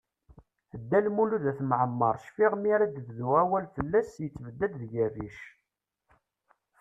Dda Lmud At Mɛemmeṛ, cfiɣ mi ara d-bdu awal fell-as, yettebdad deg-i rric.